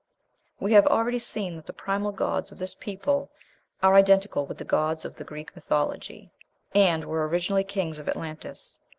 We have already seen that the primal gods of this people are identical with the gods of the Greek mythology, and were originally kings of Atlantis.